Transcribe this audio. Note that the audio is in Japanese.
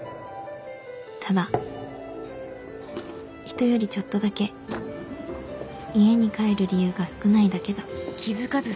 ただ人よりちょっとだけ家に帰る理由が少ないだけだ